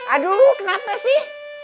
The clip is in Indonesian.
aduh kenapa sih